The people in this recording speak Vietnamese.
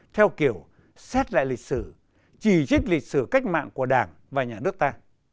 theo kiểu xét lại lịch sử chỉ trích lịch sử cách mạng của đảng và nhà nước ta